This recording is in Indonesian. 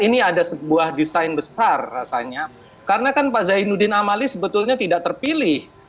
ini ada sebuah desain besar rasanya karena kan pak zainuddin amali sebetulnya tidak terpilih